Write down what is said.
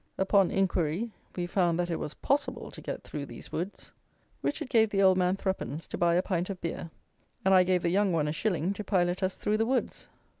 Upon inquiry we found that it was possible to get through these woods. Richard gave the old man threepence to buy a pint of beer, and I gave the young one a shilling to pilot us through the woods.